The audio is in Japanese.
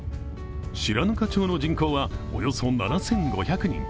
白糠町の人口はおよそ７５００人。